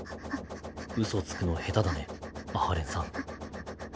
うそつくの下手だね阿波連さん。